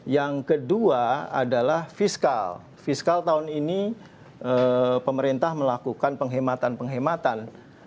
yang kedua adalah fiskal fiskal tahun ini pemerintah melakukan penghematan penghematan